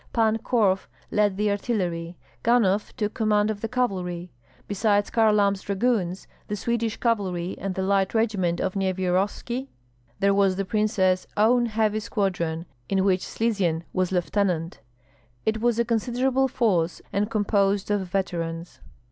Pan Korf led the artillery; Ganhoff took command of the cavalry. Besides, Kharlamp's dragoons, the Swedish cavalry, and the light regiment of Nyevyarovski, there was the princess own heavy squadron, in which Slizyen was lieutenant. It was a considerable force, and composed of veterans.